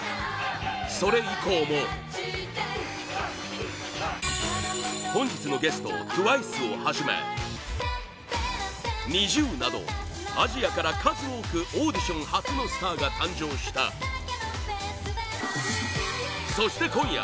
それ以降も本日のゲストＴＷＩＣＥをはじめＮｉｚｉＵなどアジアから数多くオーディション発のスターが誕生したそして今夜！